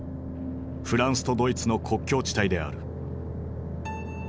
フランスとドイツの国境地帯である。